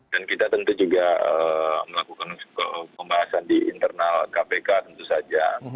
dan kita tentu juga melakukan pembahasan di internal kpk tentu saja